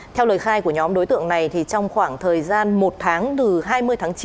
theo lời khai của nhóm đối tượng này trong khoảng thời gian một tháng từ hai mươi tháng chín